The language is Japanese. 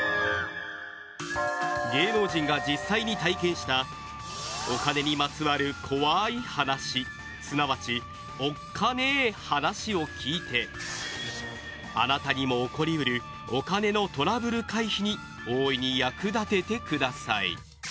芸能人が実際に体験したお金にまつわる怖い話すなわちおっカネ話を聞いてあなたにも起こり得るお金のトラブル回避に大いに役立ててください。